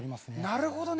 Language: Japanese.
なるほどね。